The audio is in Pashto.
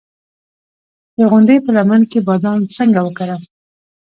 د غونډۍ په لمن کې بادام څنګه وکرم؟